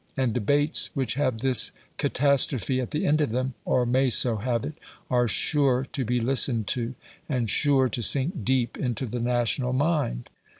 And debates which have this catastrophe at the end of them or may so have it are sure to be listened to, and sure to sink deep into the national mind.